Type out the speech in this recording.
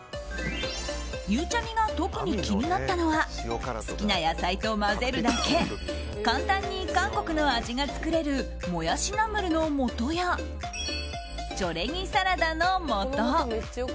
ゆうちゃみが特に気になったのは好きな野菜と混ぜるだけ簡単に韓国の味が作れるもやしナムルのもとやチョレギサラダのもと。